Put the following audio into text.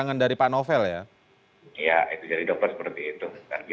kemudian melakukan identifikasi